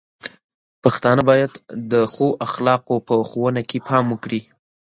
پښتانه بايد د ښو اخلاقو په ښوونه کې پام وکړي.